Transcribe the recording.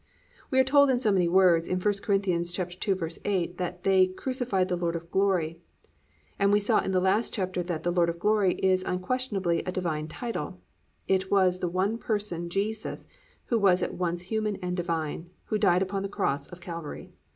We are told in so many words in 1 Cor. 2:8, that they +"Crucified the Lord of glory,"+ and we saw in the last chapter that the "Lord of Glory" is unquestionably a divine title. It was the one Person Jesus who was at once human and divine, who died upon the cross of Calvary.